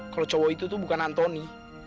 kalau cowok itu tuh bukan antoni